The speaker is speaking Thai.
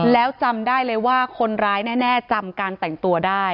แล้วจำได้เลยว่าคนร้ายแน่จำการแต่งตัวได้